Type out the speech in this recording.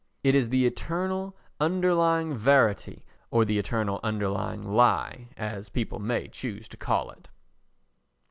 It is the eternal underlying verity or the eternal underlying lie, as people may choose to call it.